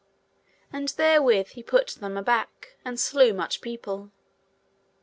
And therewith he put them a back, and slew much people.